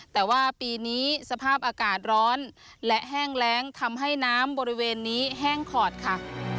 แต่ว่าปีนี้สภาพอากาศร้อนและแห้งแรงทำให้น้ำบริเวณนี้แห้งขอดค่ะ